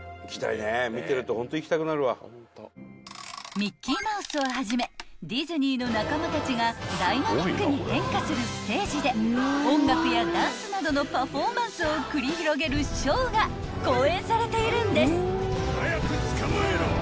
［ミッキーマウスをはじめディズニーの仲間たちがダイナミックに変化するステージで音楽やダンスなどのパフォーマンスを繰り広げるショーが公演されているんです］